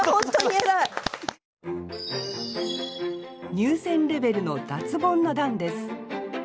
入選レベルの脱ボンの段です